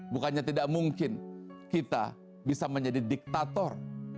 bukannya tidak mungkin kita bisa menjadi diktator